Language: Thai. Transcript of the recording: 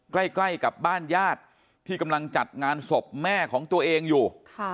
ใกล้กับบ้านญาติที่กำลังจัดงานศพแม่ของตัวเองอยู่